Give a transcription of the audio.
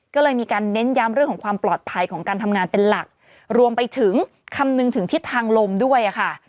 ก็เลยมีการเน้นย้ำเรื่องของความปลอดภัยของการทำงานเป็นหลักรวมไปถึงคำนึงถึงทิศทางลมด้วยค่ะ